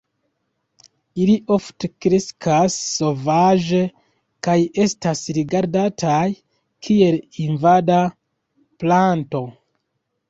Ili ofte kreskas sovaĝe kaj estas rigardataj kiel invada planto.